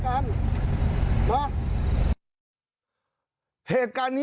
กลับตอบแฟนแล้วละเย็น